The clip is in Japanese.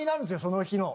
その日の。